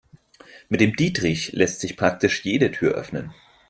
Mit dem Dietrich lässt sich praktisch jede Tür öffnen.